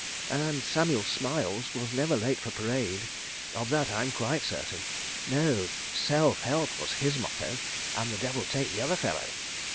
And Samuel Smiles was never late for parade—of that I'm quite certain. No. 'Self help' was his motto, and the devil take the other fellow.